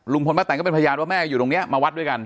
ป้าแต่งก็เป็นพยานว่าแม่อยู่ตรงนี้มาวัดด้วยกัน